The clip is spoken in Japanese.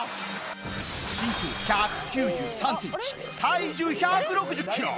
身長１９３センチ体重１６０キロ